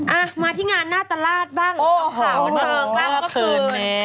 อ้ะมาที่งานหน้าตลาดบ้างท่อข่ามันเผลอแค่เมื่อคืน